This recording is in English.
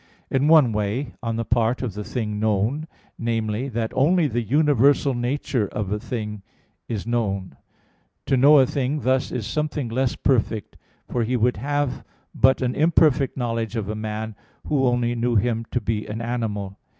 In one way, on the part of the thing known, namely, that only the universal nature of the thing is known. To know a thing thus is something less perfect: for he would have but an imperfect knowledge of a man who only knew him to be an animal.